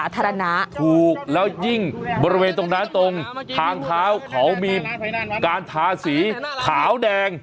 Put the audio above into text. ถูกแล้วยิ่งบริเวณตรงนั้นตรงทางเท้าเขามีการทาสีขาวแดง